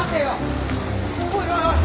おいおいおい。